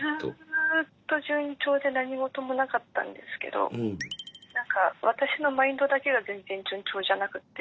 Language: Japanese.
ずっと順調で何事もなかったんですけど何か私のマインドだけが全然順調じゃなくって。